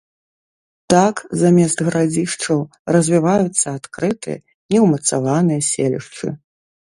Так замест гарадзішчаў развіваюцца адкрытыя, неўмацаваныя селішчы.